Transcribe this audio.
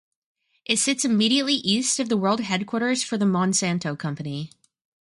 It sits immediately east of the world headquarters for The Monsanto Company.